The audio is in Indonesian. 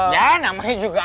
ya namanya juga